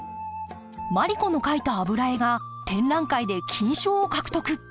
マリ子の描いた油絵が展覧会で金賞を獲得。